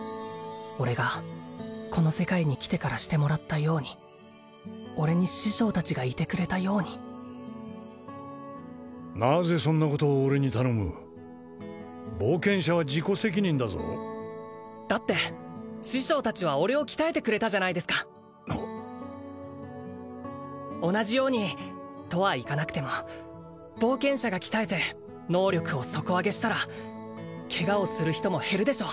俺がこの世界に来てからしてもらったように俺に師匠達がいてくれたようになぜそんなことを俺に頼む冒険者は自己責任だぞだって師匠達は俺を鍛えてくれたじゃないですか同じようにとはいかなくても冒険者が鍛えて能力を底上げしたらケガをする人も減るでしょ